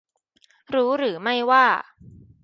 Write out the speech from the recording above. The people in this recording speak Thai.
รู้หรือไม่ว่า